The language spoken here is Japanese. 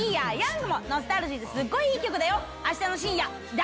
ノスタルジーですっごいいい曲だよ。